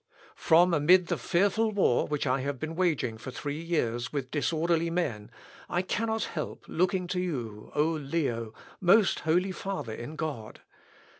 "From amid the fearful war which I have been waging for three years with disorderly men, I cannot help looking to you, O Leo, Most Holy Father in God.